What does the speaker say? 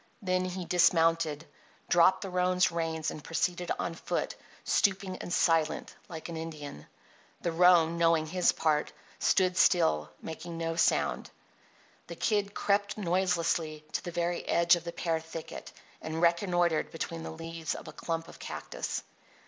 Then he dismounted, dropped the roan's reins, and proceeded on foot, stooping and silent, like an Indian. The roan, knowing his part, stood still, making no sound. The Kid crept noiselessly to the very edge of the pear thicket and reconnoitred between the leaves of a clump of cactus.